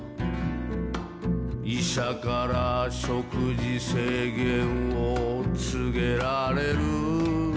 「医者から食事制限を告げられる」